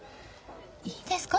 いいんですか？